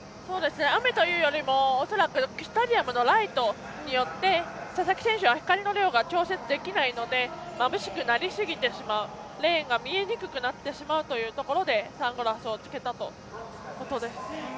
雨というよりも恐らくスタジアムのライトによって佐々木選手は光の量が調節できないのでまぶしくなりすぎてしまうレーンが見えにくくなってしまうというところでサングラスを着けたとのことでした。